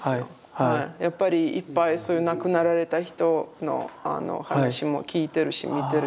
やっぱりいっぱいそういう亡くなられた人の話も聞いてるし見てるし。